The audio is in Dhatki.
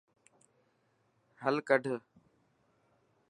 حل ڪڌ.